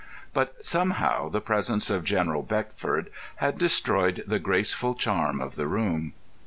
But somehow the presence of General Beckford had destroyed the graceful charm of the room.